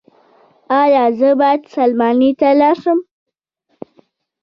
ایا زه باید سلماني ته لاړ شم؟